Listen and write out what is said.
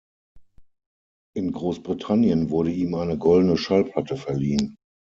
In Großbritannien wurde ihm eine Goldene Schallplatte verliehen.